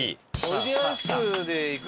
おいでやすでいく？